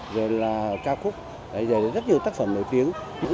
rồi là cao khúc rồi là rất nhiều tác phẩm nổi tiếng